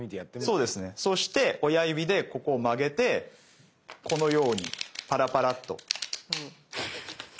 そして親指でここを曲げてこのようにパラパラと。